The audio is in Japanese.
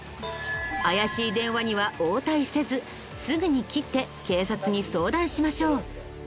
怪しい電話には応対せずすぐに切って警察に相談しましょう。